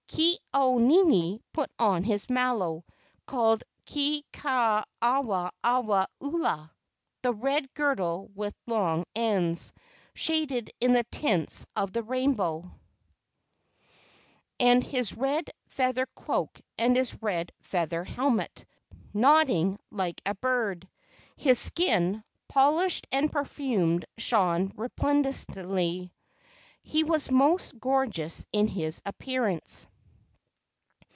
Ke au nini put on his malo, called Ke kea awe awe ula (the red girdle with long ends, shaded in the tints of the rainbow) and his red feather cloak and his red feather helmet, nodding like a bird. His skin, polished and perfumed, shone resplendently. He was most gorgeous in his appearance.